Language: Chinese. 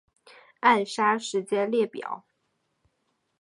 暗杀事件列表